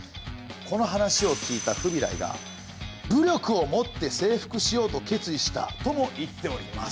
この話を聞いたフビライが「武力をもって征服しようと決意した」とも言っております。